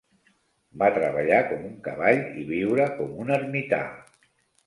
Va treballar com un cavall i viure com un ermità.